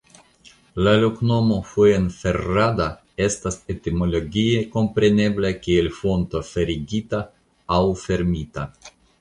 La loknomo "Fuenferrada" estas etimologie komprenebla kiel "Fonto ferigita" aŭ "fermita".